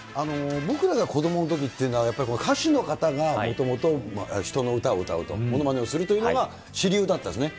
僕らが子どものときっていうのは、やっぱり歌手の方が、もともと人の歌を歌うと、ものまねをするというのが主流だったんですね。